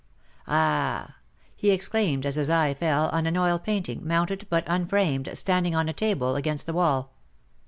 Ah !" he exclaimed, as his eye fell on an oil painting, mounted but unframed, standing on a table against the wall.